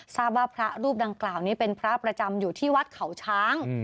ทราบว่าพระรูปดังกล่าวนี้เป็นพระประจำอยู่ที่วัดเขาช้าง